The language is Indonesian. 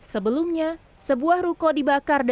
sebelumnya sebuah ruko dibakar